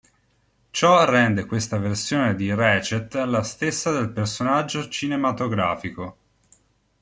Ciò rende questa versione di Ratchet la stessa del personaggio cinematografico.